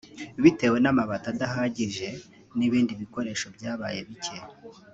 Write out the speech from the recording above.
bitewe n’amabati adahagije n’ibindi bikoresho byabaye bike